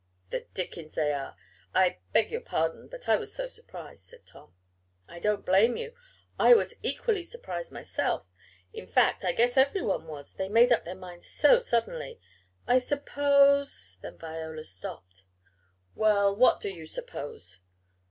"The dickens they are! I beg your pardon, but I was so surprised," said Tom. "I don't blame you. I was equally surprised myself. In fact, I guess everyone was they made up their minds so suddenly. I suppose " Then Viola stopped. "Well, what do you suppose?"